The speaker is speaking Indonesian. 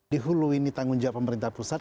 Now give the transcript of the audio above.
di hulu ini tanggung jawab pemerintah pusat